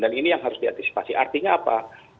dan ini yang harus diantisipasi artinya apa